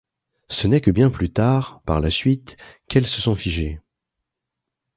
Ce n'est que bien plus tard, par la suite, qu'elles se sont figées.